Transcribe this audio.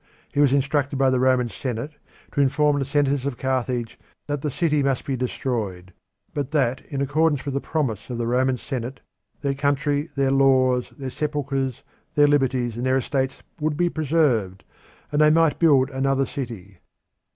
He was instructed by the Roman Senate to inform the senators of Carthage that the city must be destroyed, but that in accordance with the promise of the Roman Senate their country, their laws, their sepulchres, their liberties, and their estates would be preserved, and they might build another city.